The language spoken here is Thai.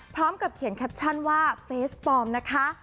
พร้อมกับเขียนแคปชั่นว่าเฟสปลอมนะคะ